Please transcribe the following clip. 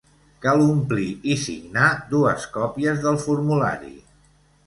Cal omplir i signar dues còpies del formulari.